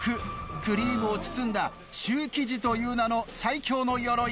クリームを包んだシュー生地という名の最強のヨロイ。